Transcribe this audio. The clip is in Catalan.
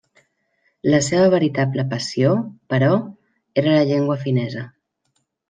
La seva veritable passió, però, era la llengua finesa.